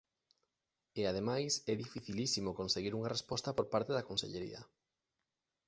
E, ademais, é dificilísimo conseguir unha resposta por parte da Consellería.